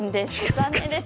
残念です。